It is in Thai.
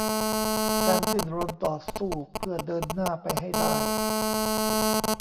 การดิ้นรนต่อสู้เพื่อเดินหน้าไปให้ได้